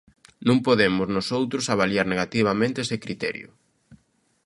Non podemos nosoutros avaliar negativamente ese criterio.